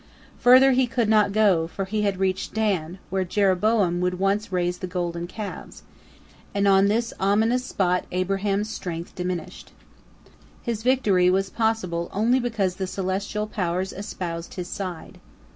Further he could not go, for he had reached Dan, where Jeroboam would once raise the golden calves, and on this ominous spot Abraham's strength diminished. His victory was possible only because the celestial powers espoused his side.